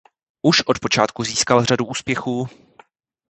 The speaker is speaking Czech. Už od počátku získal řadu úspěchů.